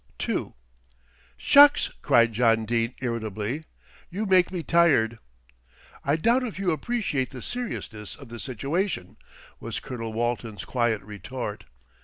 II "Shucks!" cried John Dene irritably. "You make me tired." "I doubt if you appreciate the seriousness of the situation," was Colonel Walton's quiet retort.